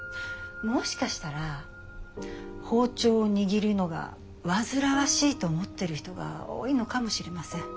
もしかしたら包丁を握るのが煩わしいと思ってる人が多いのかもしれません。